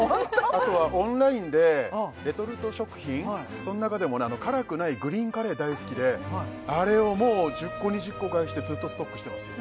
あとはオンラインでレトルト食品その中でも辛くないグリーンカレー大好きであれをもう１０個２０個買いしてずっとストックしてますよ